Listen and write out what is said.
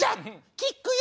「キックよ！」。